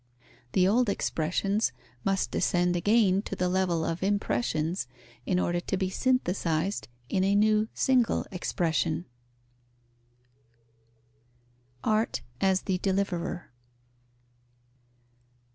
The old expressions must descend again to the level of impressions, in order to be synthetized in a new single expression. _Art as the deliverer.